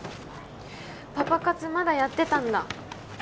パパ活まだやってたんだ？